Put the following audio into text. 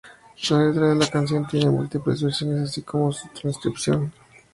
La letra de la canción tiene múltiples versiones, así como su transcripción.